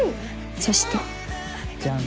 そしてじゃん。